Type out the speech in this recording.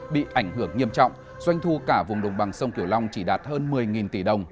bị ảnh hưởng nghiêm trọng doanh thu cả vùng đồng bằng sông kiểu long chỉ đạt hơn một mươi tỷ đồng